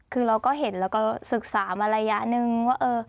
คือเราก็เห็นแล้วก็ศึกษามาระยะหนึ่งว่า